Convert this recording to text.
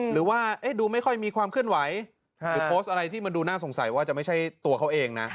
หรือว่าดูไม่ค่อยมีความเคลื่อนไหวหรือโพสต์อะไรที่มันดูน่าสงสัยว่าจะไม่ใช่ตัวเขาเองนะ